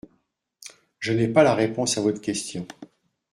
Je n’ai pas la réponse à votre question.